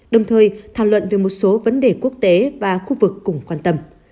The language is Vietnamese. đồng thời thảo luận về một số vấn đề quốc tế và khu vực cùng quan tâm